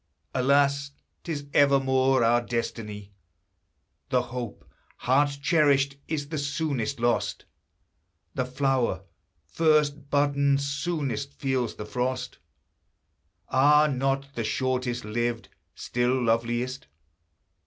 Alas! 'tis evermore our destiny, The hope, heart cherished, is the soonest lost; The flower first budden, soonest feels the frost: Are not the shortest lived still loveliest?